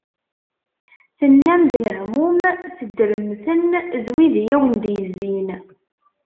Tennam-d lehmum, teddrem-ten d wid i awen-d-yezzin.